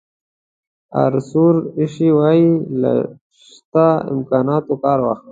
آرثور اشي وایي له شته امکاناتو کار واخلئ.